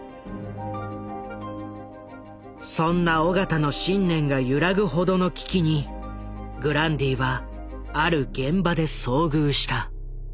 そんな緒方の信念が揺らぐほどの危機にグランディはある現場で遭遇した。